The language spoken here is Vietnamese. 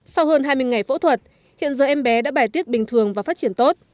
sau hơn hai mươi ngày phẫu thuật hiện giờ em bé đã bài tiết bình thường và phát triển tốt